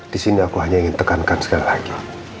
di sini aku hanya ingin tekankan sekali lagi